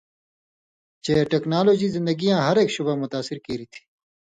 چےۡ ٹکنالوجی زندگیاں ہر اک شعبہ متاثر کیریۡ تھی